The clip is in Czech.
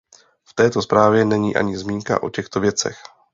V této zprávě není ani zmínka o těchto věcech.